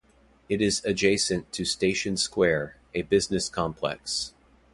It is adjacent to Station Square, a business complex.